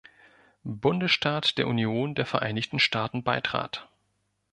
Bundesstaat der Union der Vereinigten Staaten beitrat.